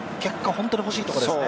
本当に欲しいところですね。